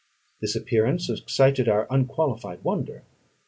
This appearance excited our unqualified wonder.